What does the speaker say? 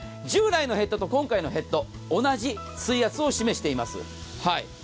従来のヘッドと今回のヘッド、同じ水圧を示しています。